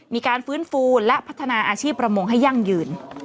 มีการฟื้นฟูและพัฒนาอาชีพประมงให้ยั่งยืน